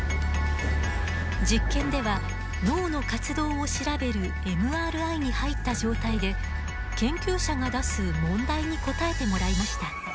実験では脳の活動を調べるＭＲＩに入った状態で研究者が出す問題に答えてもらいました。